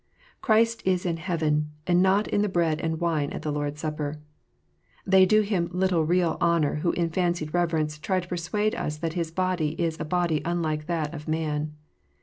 Christ is in heaven, and not in the bread and wine at the Lord s Supper. They do Him little real honour who in fancied reverence try to persuade us that His body is a body unlike that of man.